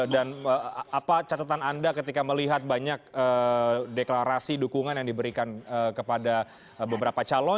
dan apa catatan anda ketika melihat banyak deklarasi dukungan yang diberikan kepada beberapa calon